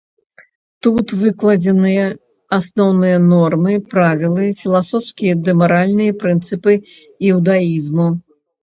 Тут выкладзены асноўныя нормы, правілы, філасофскія ды маральныя прынцыпы іўдаізму.